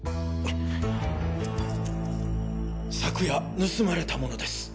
昨夜盗まれたものです。